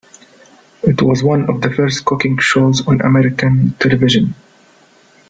It was one of the first cooking shows on American television.